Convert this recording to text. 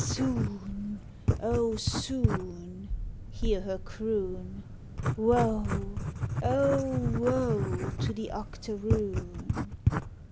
"Soon, oh, soon," hear her croon, "_Woe, oh, woe to the octoroon!